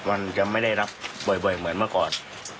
มันจะไม่ได้รับบ่อยเหมือนเมื่อก่อน